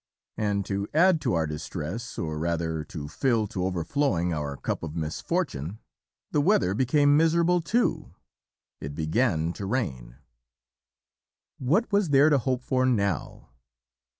and to add to our distress, or rather, to fill to overflowing our cup of misfortune, the weather became miserable, too; it began to rain. "What was there to hope for now?